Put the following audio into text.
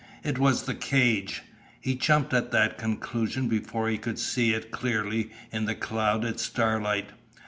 It was the cage. He jumped at that conclusion before he could see it clearly in the clouded starlight.